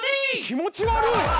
気持ち悪い！